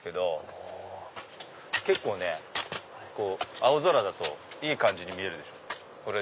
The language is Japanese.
青空だといい感じに見えるでしょ。